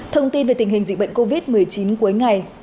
thông tin về tình hình dịch bệnh covid một mươi chín cuối ngày